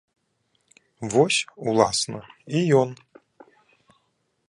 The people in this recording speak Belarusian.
Вось, уласна, і ён.